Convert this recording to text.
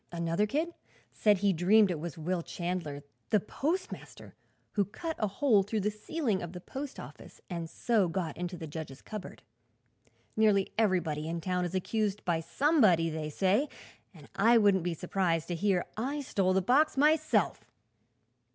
Another kid said he dreamed it was Will Chandler, the postmaster, who cut a hole through the ceiling of the post office and so got into the judge's cupboard. Nearly everybody in town is accused by somebody, they say, and I wouldn't be surprised to hear that I stole the box myself."